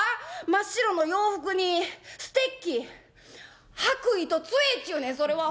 真っ白の洋服にステッキ白衣とつえっちゅうねんそれは。